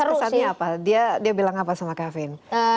terus kesannya apa dia bilang apa sama kavin